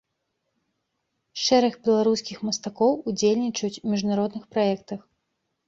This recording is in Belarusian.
Шэраг беларускіх мастакоў удзельнічаюць у міжнародных праектах.